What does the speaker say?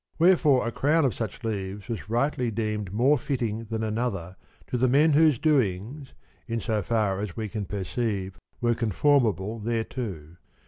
Where fore a crown of such leaves was rightly deemed more 71 • fitting than another to the men whose doings (in so far as we can perceive) were conformable thereto.